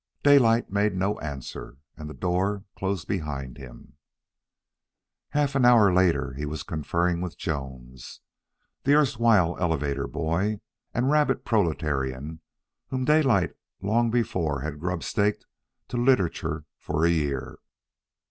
Daylight made no answer, and the door closed behind him. Half an hour later he was conferring with Jones, the erstwhile elevator boy and rabid proletarian whom Daylight long before had grubstaked to literature for a year.